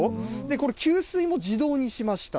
これ、給水も自動にしました。